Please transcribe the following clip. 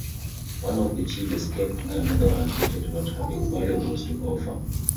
One of the chiefs escaped and another one admitted not having valuables to offer.